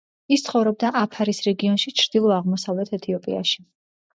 ის ცხოვრობდა აფარის რეგიონში ჩრდილო აღმოსავლეთ ეთიოპიაში.